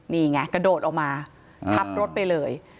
นี่ไงกระโดดออกมาทับรถไปเลย